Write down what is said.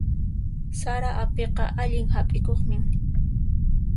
Sara apiqa allin hap'ikuqmi.